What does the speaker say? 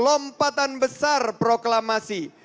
lompatan besar proklamasi